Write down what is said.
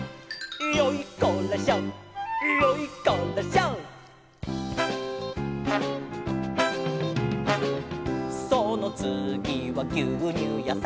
「ヨイコラショヨイコラショ」「そのつぎはぎゅうにゅうやさん」